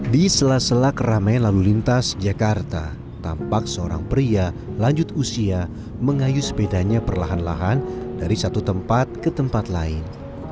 di sela sela keramaian lalu lintas jakarta tampak seorang pria lanjut usia mengayu sepedanya perlahan lahan dari satu tempat ke tempat lain